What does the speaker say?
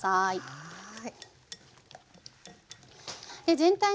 はい。